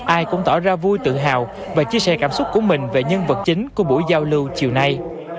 ai cũng tỏ ra vui tự hào và chia sẻ cảm xúc của mình về nhân vật chính của buổi giao lưu chiều nay